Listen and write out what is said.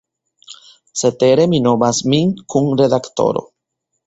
Cetere mi nomas min "kun-redaktoro".